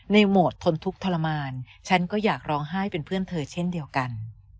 โหมดทนทุกข์ทรมานฉันก็อยากร้องไห้เป็นเพื่อนเธอเช่นเดียวกัน